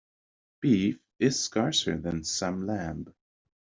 Beef is scarcer than some lamb.